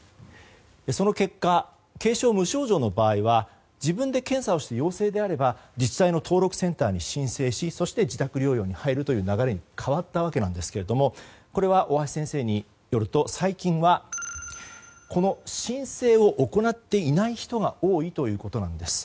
その結果、軽症・無症状の場合は自分で検査をして陽性であれば自治体の登録センターに申請しそして自宅療養に入るという流れに変わったわけなんですが大橋先生によると最近は、この申請を行っていない人が多いということなんです。